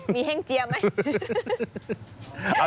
มีแห้งเจียมไหม